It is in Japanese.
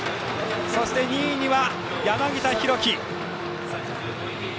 そして２位には、柳田大輝。